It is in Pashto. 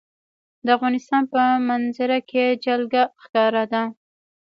د افغانستان په منظره کې جلګه ښکاره ده.